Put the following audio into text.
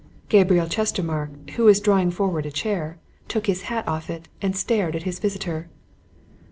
Gabriel Chestermarke, who was drawing forward a chair, took his hand off it and stared at his visitor.